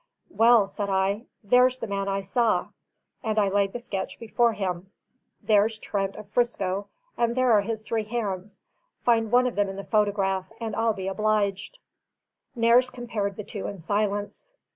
Well," said I, "there's the man I saw" and I laid the sketch before him "there's Trent of 'Frisco and there are his three hands. Find one of them in the photograph, and I'll be obliged." Nares compared the two in silence.